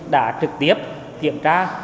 đã trực tiếp kiểm tra bệnh nội trú